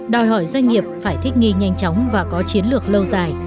đòi hỏi doanh nghiệp phải thích nghi nhanh chóng và có chiến lược lâu dài